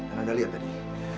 anda lihat tadi